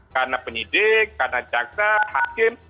karena penyidik karena jangka hakim